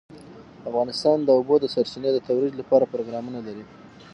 افغانستان د د اوبو سرچینې د ترویج لپاره پروګرامونه لري.